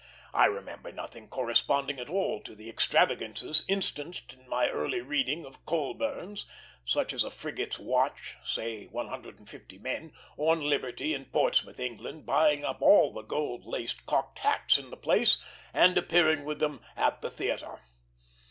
I remember nothing corresponding at all to the extravagances instanced in my early reading of Colburn's; such as a frigate's watch say one hundred and fifty men on liberty in Portsmouth, England, buying up all the gold laced cocked bats in the place, and appearing with them at the theatre.